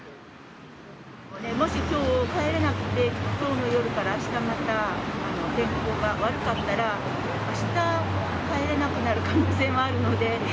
もしきょう帰れなくて、きょうの夜からあしたまた天候が悪かったら、あしたも帰れなくなる可能性もあるので。